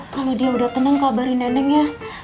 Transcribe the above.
kalo dia udah tenang kabarin neneng ya